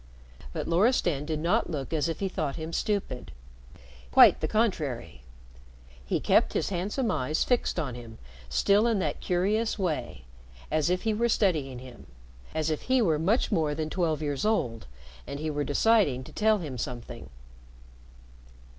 But Loristan did not look as if he thought him stupid. Quite the contrary. He kept his handsome eyes fixed on him still in that curious way, as if he were studying him as if he were much more than twelve years old, and he were deciding to tell him something.